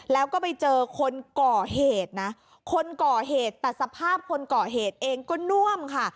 แล้วก็ไปเจอคนก่อเหตุนะคนก่อเหตุแต่สภาพคนก่อเหตุเองก็น่วมค่ะ